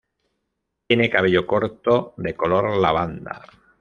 Tiene cabello corto de color lavanda.